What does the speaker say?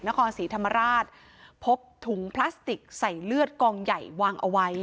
นครศรีธรรมราชพบถุงพลาสติกใส่เลือดกองใหญ่วางเอาไว้